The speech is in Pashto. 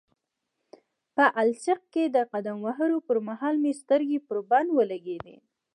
په السیق کې د قدم وهلو پرمهال مې سترګې پر بند ولګېدې.